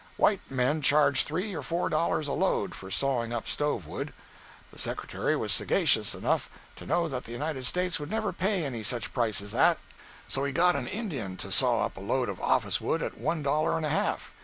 White men charged three or four dollars a "load" for sawing up stove wood. The Secretary was sagacious enough to know that the United States would never pay any such price as that; so he got an Indian to saw up a load of office wood at one dollar and a half.